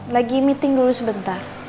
lagi meeting dulu sebentar